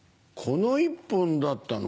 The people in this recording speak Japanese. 鮎１本だったの？